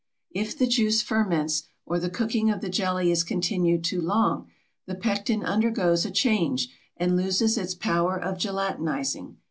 If the juice ferments, or the cooking of the jelly is continued too long, the pectin undergoes a change and loses its power of gelatinizing.